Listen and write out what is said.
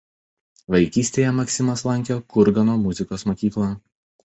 Vaikystėje Maksimas lankė Kurgano muzikos mokyklą.